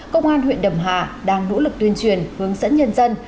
công an huyện đầm hà đang nỗ lực tuyên truyền hướng dẫn nhân dân